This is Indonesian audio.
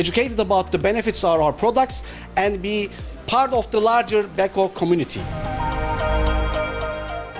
dipercayai tentang keuntungan produk kita dan menjadi bagian dari komunitas beko yang lebih besar